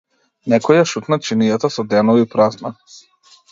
Некој ја шутна чинијата со денови празна.